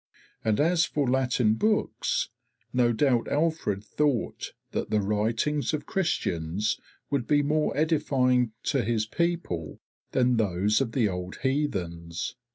And as for Latin books, no doubt Alfred thought that the writings of Christians would be more edifying to his people than those of the old heathens.